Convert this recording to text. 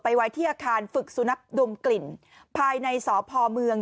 ไว้ที่อาคารฝึกสุนัขดมกลิ่นภายในสพเมือง